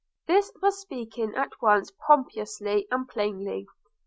This was speaking at once pompously and plainly.